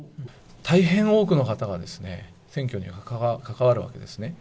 大変多くの方が選挙に関わるわけですね。